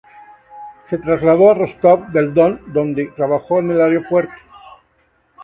Se trasladó a Rostov del Don, donde trabajó en el aeropuerto.